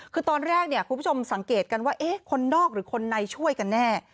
คือตอนแรกเนี่ยคุณผู้ชมสังเกตกันว่าคนนอกหรือคนในช่วยกันแน่